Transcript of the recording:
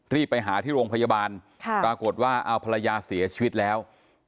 รีบไปหาที่โรงพยาบาลปรากฏว่าเอาภรรยาเสียชีวิตแล้ว